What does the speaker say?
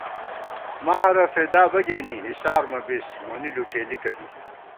مَہَرہ فېدا بہ گېنی اِسار مہ بِس مونی لُٹېلِکہ بی